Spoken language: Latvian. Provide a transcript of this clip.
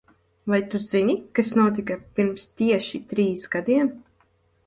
Vai tu zini, kas notika pirms tieši trīs gadiem?